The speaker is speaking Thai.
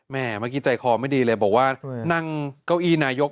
เมื่อกี้ใจคอไม่ดีเลยบอกว่านั่งเก้าอี้นายก